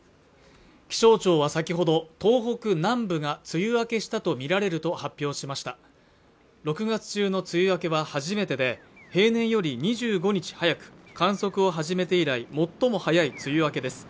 気象庁は先ほど東北南部が梅雨明けしたとみられると発表しました６月中の梅雨明けは初めてで平年より２５日早く観測を始めて以来最も早い梅雨明けです